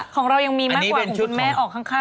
ของเรายังมีมากกว่า